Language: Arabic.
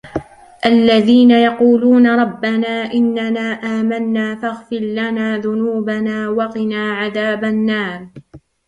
الَّذِينَ يَقُولُونَ رَبَّنَا إِنَّنَا آمَنَّا فَاغْفِرْ لَنَا ذُنُوبَنَا وَقِنَا عَذَابَ النَّارِ